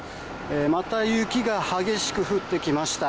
また雪が激しく降ってきました。